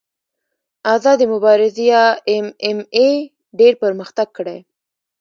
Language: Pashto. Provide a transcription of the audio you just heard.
آزادې مبارزې یا ایم ایم اې ډېر پرمختګ کړی.